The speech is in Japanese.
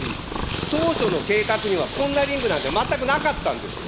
当初の計画には、こんなリングなんて全くなかったんですよ。